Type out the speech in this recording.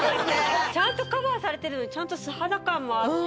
ちゃんとカバーされてるのにちゃんと素肌感もあって。